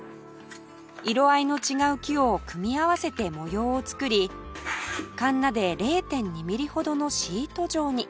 色合いの違う木を組み合わせて模様を作りカンナで ０．２ ミリほどのシート状に